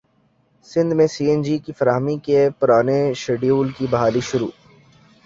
سندھ میں C N G کی فراہمی کے پرانے شیڈول کی بحالی شروع